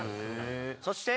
そして。